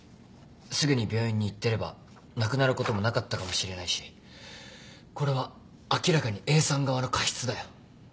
すぐに病院に行ってれば亡くなることもなかったかもしれないしこれは明らかにＡさん側の過失だよ。